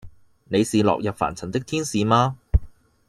你是落入凡塵的天使嗎？